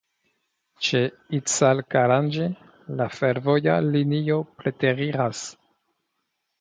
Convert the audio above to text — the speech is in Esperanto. Ĉe Icalkaranĝi la fervoja linio preteriras.